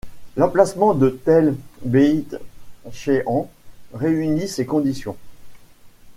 L'emplacement de Tel Beït-Shéan réunit ces conditions.